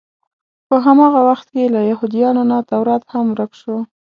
په هماغه وخت کې له یهودانو نه تورات هم ورک شو.